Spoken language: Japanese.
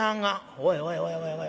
「おいおいおいおいおい。